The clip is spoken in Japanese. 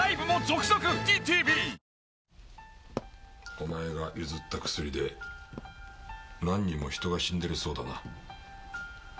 お前が譲った薬で何人も人が死んでるそうだな。